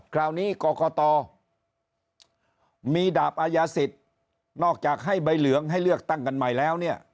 คราวนี้กรกตมีดาบอายาศิษย์นอกจากให้ใบเหลืองให้เลือกตั้งกันใหม่แล้วเนี่ย